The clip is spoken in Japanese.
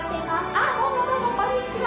あどうもどうもこんにちは。